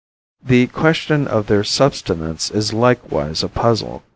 The question of their subsistence is likewise a puzzle.